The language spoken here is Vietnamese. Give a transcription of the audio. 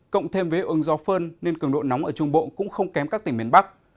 cộng thêm với ưng gió phơn nên cường độ nóng ở trung bộ cũng không kém các tỉnh miền bắc